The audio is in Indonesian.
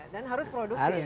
dan harus produksi